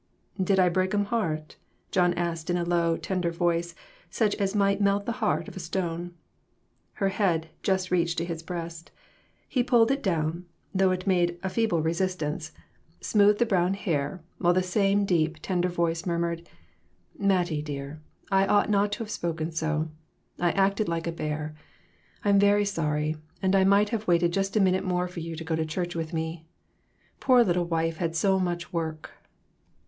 "Did I break 'um heart?" John asked in a low, tender voice, such as might melt the heart of a stone. Her head just reached to his breast. He pulled it down, though it made a feeble resist I2O RECONCILIATIONS. ance, and smoothed the brown hair, while the same deep, tender voice murmured "Mattie, dear, I ought not to have spoken so. I acted like a bear. I'm very sorry, and I might have waited just a minute more for you to go to church with me. Poor little wife had so much work."